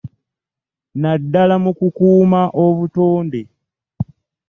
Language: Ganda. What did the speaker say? Naddala mu ku kukuuma obutonde.